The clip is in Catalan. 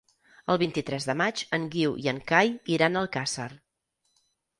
El vint-i-tres de maig en Guiu i en Cai iran a Alcàsser.